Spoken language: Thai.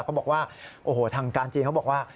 เขาบอกว่าโอ้โหทางการจีนเขาบอกว่า